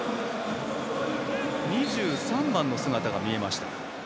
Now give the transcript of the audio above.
２３番の姿が見えました。